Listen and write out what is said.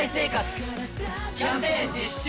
キャンペーン実施中！